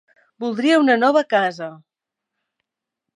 Voldria una nova casa.